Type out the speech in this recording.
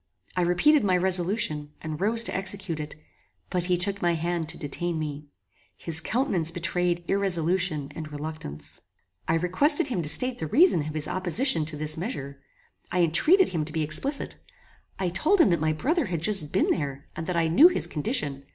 I repeated my resolution, and rose to execute it; but he took my hand to detain me. His countenance betrayed irresolution and reluctance. I requested him to state the reason of his opposition to this measure. I entreated him to be explicit. I told him that my brother had just been there, and that I knew his condition.